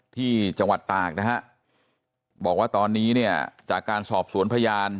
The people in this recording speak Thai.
ที่จังหวัดตากนะฮะบอกว่าตอนนี้เนี่ยจากการสอบสวนพยาน